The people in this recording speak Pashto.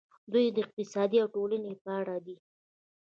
دوی د اقتصاد او ټولنې په اړه دي.